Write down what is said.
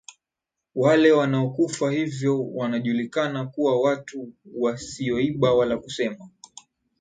wale wanaokufa hivyo wanajulikana kuwa watu wasioiba wala kusema